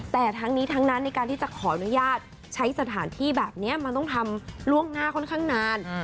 แต่ทั้งนี้ทั้งนั้นในการที่จะขออนุญาตใช้สถานที่แบบนี้มันต้องทำล่วงหน้าค่อนข้างนาน